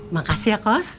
makasih ya kos